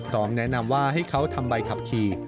แนะนำว่าให้เขาทำใบขับขี่